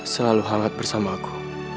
selalu hangat bersamaku